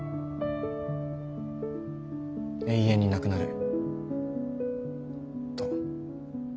永遠になくなると。